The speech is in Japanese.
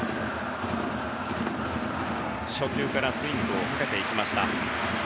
初球からスイングをかけていきました。